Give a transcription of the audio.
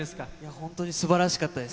本当にすばらしかったです。